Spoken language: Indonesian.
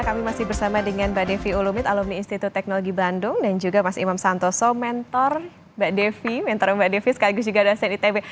kami masih bersama dengan mbak devi ulumit alumni institut teknologi bandung dan juga mas imam santoso mentor mbak devi mentor mbak devi sekaligus juga dosen itb